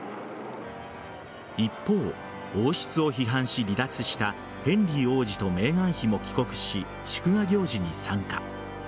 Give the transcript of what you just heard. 一方、王室を批判し離脱したヘンリー王子とメーガン妃も帰国し祝賀行事に参加。